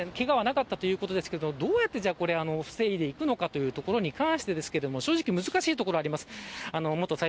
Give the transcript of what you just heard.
子どもも含めてけがはなかったということですがどうやって防いでいくのかというところに関してですけれども正直、難しいところがあります。